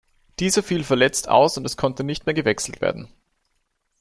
Dieser fiel verletzt aus und es konnte nicht mehr gewechselt werden.